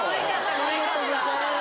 ありがとうございます。